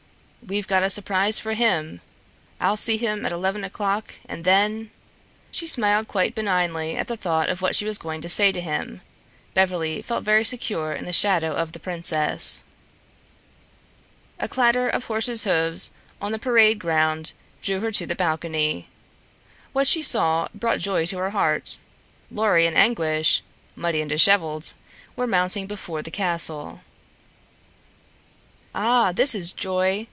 We've got a surprise for him. I'll see him at eleven o'clock, and then " she smiled quite benignly at the thought of what she was going to say to him. Beverly felt very secure in the shadow of the princess. A clatter of horses' hoofs on the parade ground drew her to the balcony. What she saw brought joy to her heart. Lorry and Anguish, muddy and disheveled, were dismounting before the castle. "Ah, this is joy!